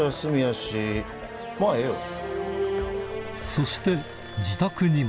そして自宅にも